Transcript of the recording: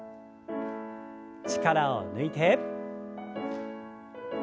力を抜いて。